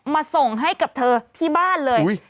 มาส่งให้กับเธอที่บ้านเลย